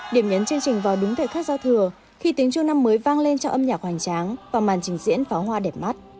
điểm nhấn chương trình vào đúng thời khắc giao thừa khi tiếng chuông năm mới vang lên trong âm nhạc hoành tráng và màn trình diễn pháo hoa đẹp mắt